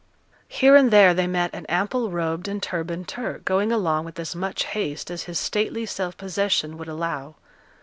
Here and there they met an ample robed and turbaned Turk going along with as much haste as his stately self possession would allow.